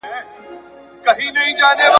ورته پیسې راځي مالونه راځي `